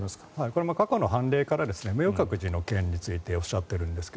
これは過去の判例から明覚寺の件についておっしゃっているんですが